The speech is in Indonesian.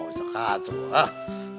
wah ada mbak rono